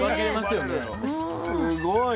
すごい！